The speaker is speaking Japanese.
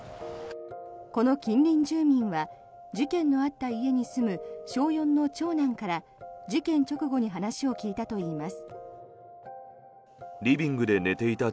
この近隣住民は事件のあった家に住む小４の長男から事件直後に話を聞いたといいます。